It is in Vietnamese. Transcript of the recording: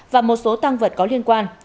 và một số tăng vật có liên quan